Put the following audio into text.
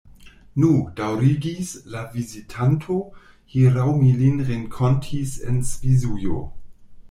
Nu, daŭrigis la vizitanto, hieraŭ mi lin renkontis en Svisujo.